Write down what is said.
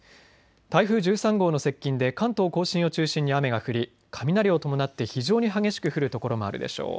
台風１３号の接近で関東甲信を中心に雨が降り雷を伴って非常に激しく降る所もあるでしょう。